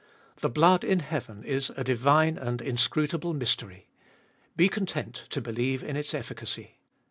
The blood in heaven is a divine and inscrutable mystery : be content to believe in Its efficacy.